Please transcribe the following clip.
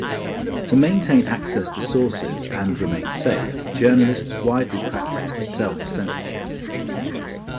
To maintain access to sources and remain safe, journalists widely practiced self-censorship.